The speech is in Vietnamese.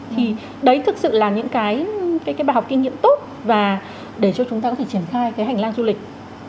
thì đấy thực sự là những cái bài học kinh nghiệm tốt và để cho chúng ta có thể triển khai cái hành lang du lịch